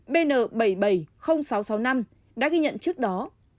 bn bảy trăm bảy mươi nghìn sáu trăm sáu mươi năm đã ghi nhận trước đó